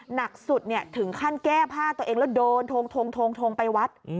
หนักสุดถึงขั้นแก้ผ้าตัวเองแล้วโดนทงไปวัด